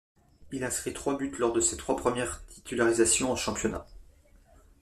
Il inscrit trois buts lors de ses trois premières titularisations en championnat.